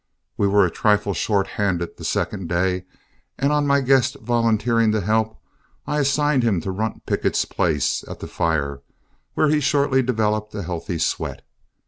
We were a trifle short handed the second day, and on my guest volunteering to help, I assigned him to Runt Pickett's place at the fire, where he shortly developed a healthy sweat.